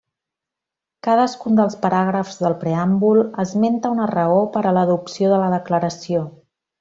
Cadascun dels paràgrafs del preàmbul esmenta una raó per a l'adopció de la Declaració.